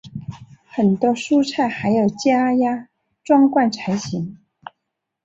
很多蔬菜还要加压装罐才行。